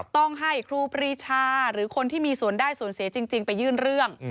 ต้องให้ครูปรีชาหรือคนที่มีส่วนได้ส่วนเสียจริงไปยื่นเรื่อง